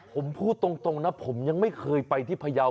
ผมพูดตรงนะผมยังไม่เคยไปที่พยาว